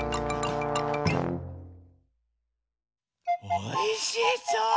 おいしそう！